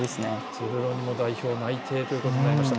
ズルロニも代表内定ということになりました。